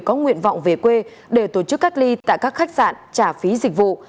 có nguyện vọng về quê để tổ chức cách ly tại các khách sạn trả phí dịch vụ